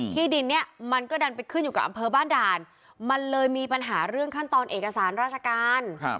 ที่ดินเนี่ยมันก็ดันไปขึ้นอยู่กับอำเภอบ้านด่านมันเลยมีปัญหาเรื่องขั้นตอนเอกสารราชการ